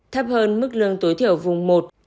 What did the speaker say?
thấp hơn mức lương tối thiểu vùng một